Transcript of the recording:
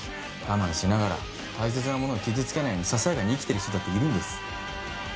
我慢しながら大切なものを傷つけないようにささやかに生きてる人だっているんです。